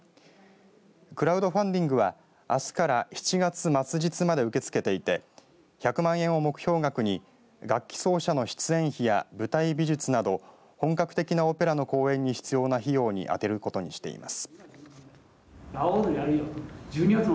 クラウドファンディングはあすから７月末日まで受け付けていて１００万円を目標額に楽器奏者の出演費や舞台美術など本格的なオペラの公演に必要な費用に充てることにしています。